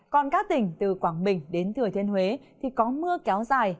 còn các tỉnh từ quảng bình đến thừa thiên huế thì có mưa kéo dài